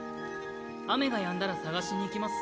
雨がやんだら探しに行きます。